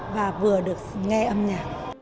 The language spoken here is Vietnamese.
và vừa được nghe âm nhạc